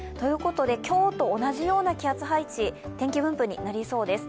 今日と同じような気圧配置、天気分布になりそうです。